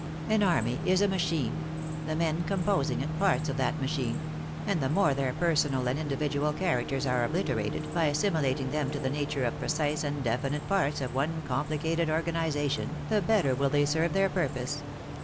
" An army is a machine ; the men composing it, parts of that machine ; and the more their personal and individual characters are obliterated, by assimilating them to the nature of precise and definite parts of one complicated organi zation, the better will they serve their purpose.